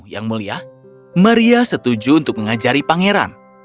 yang mulia maria setuju untuk mengajari pangeran